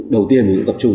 đầu tiên mình cũng tập trung